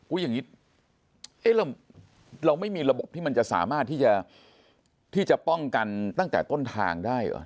อย่างนี้เราไม่มีระบบที่มันจะสามารถที่จะป้องกันตั้งแต่ต้นทางได้เหรอ